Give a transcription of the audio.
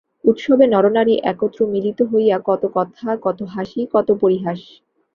উৎসবে নরনারী একত্র মিলিত হইয়া কত কথা, কত হাসি, কত পরিহাস।